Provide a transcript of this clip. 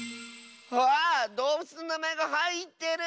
あどうぶつのなまえがはいってる！